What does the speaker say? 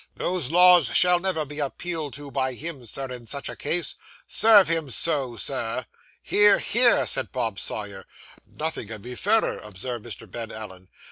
'Those laws shall never be appealed to by him, sir, in such a case. Serve him so, sir!' 'Hear! hear!' said Bob Sawyer. 'Nothing can be fairer,' observed Mr. Ben Allen.